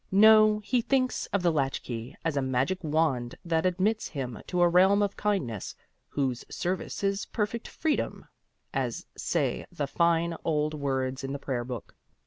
No, he thinks of the latchkey as a magic wand that admits him to a realm of kindness "whose service is perfect freedom," as say the fine old words in the prayer book.